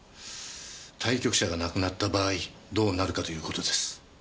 対局者が亡くなった場合どうなるかという事です。